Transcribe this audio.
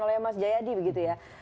oleh mas jayadi begitu ya